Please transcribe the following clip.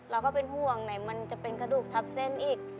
เราก็เป็นห่วงไหนมันจะเป็นกระดูกทับเส้นอีก